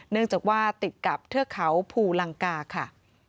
เนื่องจากว่าติดกับเทือกเขาภูลังกาค่ะ